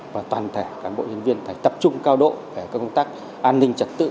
và toàn thể cán bộ nhân viên phải tập trung cao độ công tác an ninh trật tự